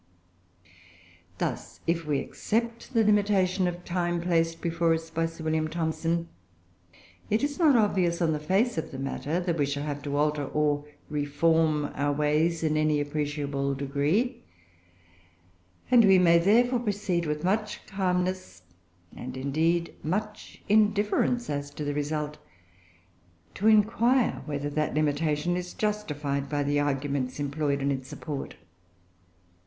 Thus, if we accept the limitation of time placed before us by Sir W. Thomson, it is not obvious, on the face of the matter, that we shall have to alter, or reform, our ways in any appreciable degree; and we may therefore proceed with much calmness, and indeed much indifference, as to the result, to inquire whether that limitation is justified by the arguments employed in its support.